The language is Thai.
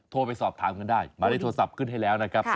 โทรไปสอบถามกันได้หมายเลขโทรศัพท์ขึ้นให้แล้วนะครับ